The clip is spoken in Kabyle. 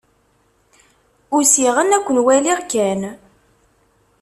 Usiɣ-n ad ken-waliɣ kan.